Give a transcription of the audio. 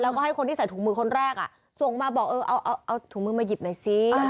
แล้วก็ให้คนที่ใส่ถุงมือคนแรกส่งมาบอกเออเอาถุงมือมาหยิบหน่อยสิ